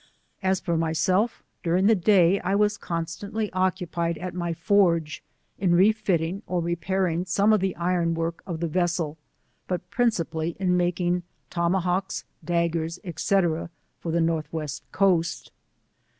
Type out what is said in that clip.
As for myself, during the day I was constantly occupied at my forge, in refiUiag or. repairing some of the iron work of the vessel, but principally in mak ing tomahawks, daggers, &c. for the North West coast.